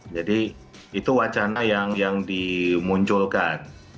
jadi itu wacana yang dimunculkan